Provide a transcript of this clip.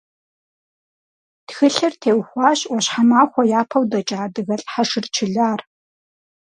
Тхылъыр теухуащ Ӏуащхьэмахуэ япэу дэкӀа адыгэлӀ Хьэшыр Чылар.